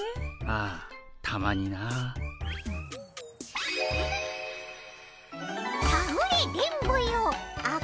ああたまにな。はあ。